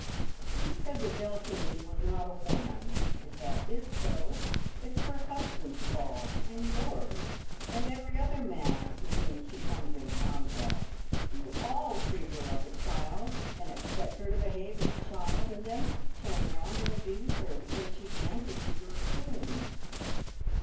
"You said that Delphine was not a woman. If that is so, it's her husband's fault and yours! And every other man's with whom she comes in contact. You all treat her like a child, and expect her to behave as a child, and then turn round and abuse her because she dances to your tune."